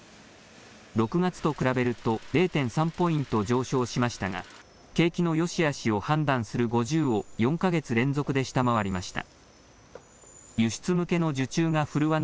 ６月と比べると０．３ポイント上昇しましたが景気のよしあしを判断する５０を４か月連続で下回りました。